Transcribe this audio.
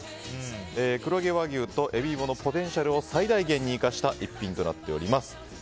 黒毛和牛とエビイモのポテンシャルを最大限に生かした一品となっております。